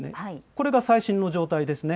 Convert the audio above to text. これが最新の状態ですね。